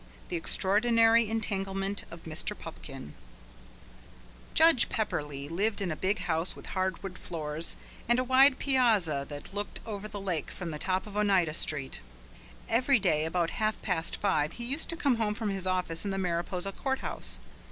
The Extraordinary Entanglement of Mr. Pupkin Judge Pepperleigh lived in a big house with hardwood floors and a wide piazza that looked over the lake from the top of Oneida Street. Every day about half past five he used to come home from his office in the Mariposa Court House.